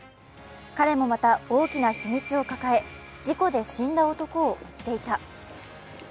彼もまた、大きな秘密を抱え、事故で死んだ男を追っていた。